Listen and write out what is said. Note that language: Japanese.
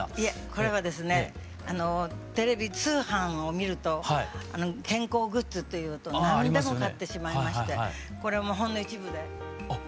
これはですねテレビ通販を見ると健康グッズっていうと何でも買ってしまいましてこれもほんの一部で。